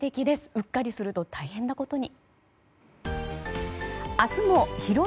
うっかりすると大変なことに。